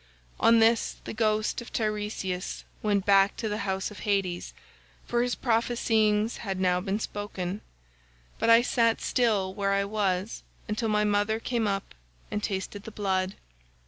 "On this the ghost of Teiresias went back to the house of Hades, for his prophecyings had now been spoken, but I sat still where I was until my mother came up and tasted the blood.